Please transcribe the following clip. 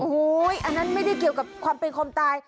โอ้โหอันนั้นไม่ได้เกี่ยวกับความเป็นความตาย